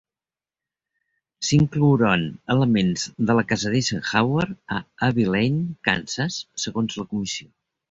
S'inclouran elements de la casa d'Eisenhower a Abilene, Kansas, segons la comissió.